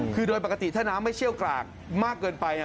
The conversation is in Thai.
คือโดยปกติถ้าน้ำไม่เชี่ยวกรากมากเกินไป